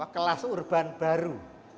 kelas urban baru